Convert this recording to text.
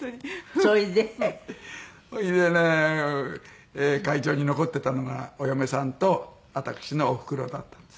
それでね会場に残ってたのがお嫁さんと私のおふくろだったんです。